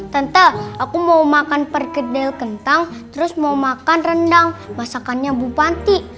tante aku mau makan perkedel kentang terus mau makan rendang masakannya bupati